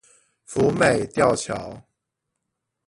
福美吊橋